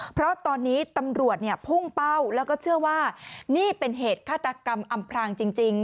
เพราะตอนนี้ตำรวจเนี่ยพุ่งเป้าแล้วก็เชื่อว่านี่เป็นเหตุฆาตกรรมอำพรางจริง